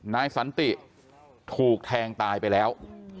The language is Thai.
นายสันติถูกแทงตายไปแล้ว